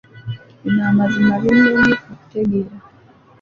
Bino amazima binnemye okutegeera.